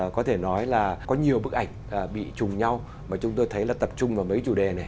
có thể nói là có nhiều bức ảnh bị chùm nhau mà chúng tôi thấy là tập trung vào mấy chủ đề này